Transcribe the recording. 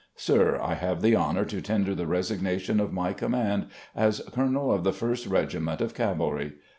" Sir: I have the honour to_ tender the resignation of my command as Colonel of the First Regiment of Cavalry.